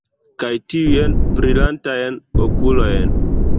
Kaj tiujn brilantajn okulojn!